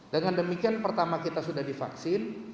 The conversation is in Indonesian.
dengan demikian pertama kita sudah divaksin